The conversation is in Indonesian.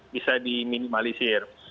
bisa di minimalisir